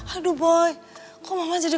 aduh boy kok mama jadi